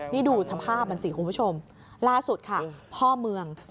นี่ดูสภาพมันสิคุณผู้ชมล่าสุดค่ะพ่อเมือง